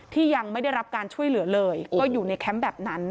ที่ยังไม่ได้รับการช่วยเหลือเลยก็อยู่ในแคมป์แบบนั้น